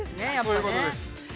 ◆そういうことです。